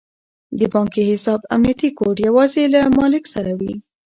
د بانکي حساب امنیتي کوډ یوازې له مالیک سره وي.